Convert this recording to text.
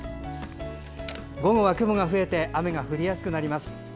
午後は雲が増えて雨が降りやすくなるでしょう。